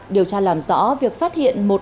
điều tra làm rõ việc phát hiện một